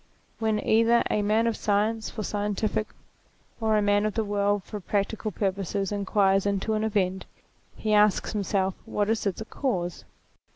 When either a man of science for scientific or a man of the world for practical purposes inquires into an event, he asks himself what is its cause?